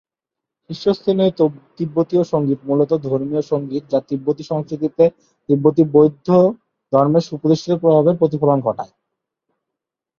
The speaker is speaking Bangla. শীর্ষস্থানীয় তিব্বতি সংগীত মূলত ধর্মীয় সংগীত, যা তিব্বতি সংস্কৃতিতে তিব্বতি বৌদ্ধ ধর্মের সুপ্রতিষ্ঠিত প্রভাবের প্রতিফলন ঘটায়।